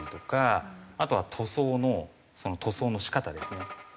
あとは塗装のその塗装の仕方ですね。